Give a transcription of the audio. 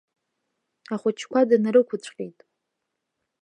Ахәыҷқәа днарықәцәҟьеит.